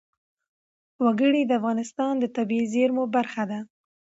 وګړي د افغانستان د طبیعي زیرمو برخه ده.